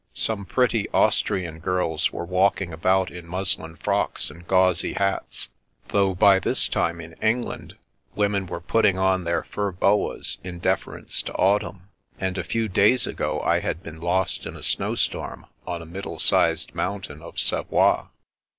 Some pretty Austrian girls were walking about in muslin frocks and gauzy hats, though by 356 The Princess Passes this time, in England, women were putting on their fur boas in deference to autumn; and a few days ago I had been lost in a snowstorm on a middle sized mountain of Savoie.